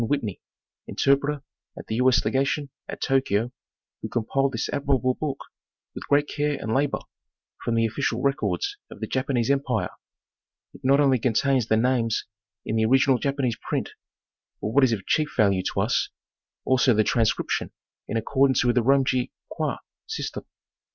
Whitney, interpreter at the U. 8. Legation at Tokyo, who com piled this admirable book with great care and labor from the official records of the Japanese empire. It not only contains the names in the original Japanese print, but what is of chief value to us, also the transcription, in accordance with the Romaji Kwai system.